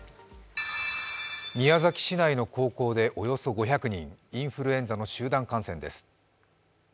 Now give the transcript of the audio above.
宮崎市内の高校でおよそ５００人、インフルエンザの集団感染です。